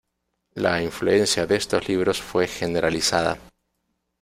La influencia de estos libros fue generalizada.